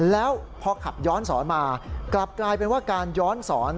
แล้วพอขับย้อนสอนมากลับกลายเป็นว่าการย้อนสอน